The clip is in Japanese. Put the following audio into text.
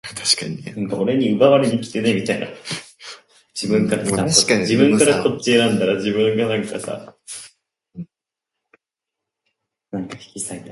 ツルハドラッグに行こう